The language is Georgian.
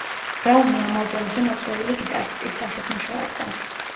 ბრაუნი ამ ალბომზე მოწვეული გიტარისტის სახით მუშაობდა.